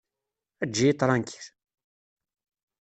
Eǧǧ-iyi ṭranklil!